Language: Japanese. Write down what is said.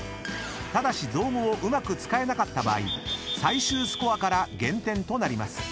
［ただし造語をうまく使えなかった場合最終スコアから減点となります］